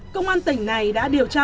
công an tỉnh này đã điều tra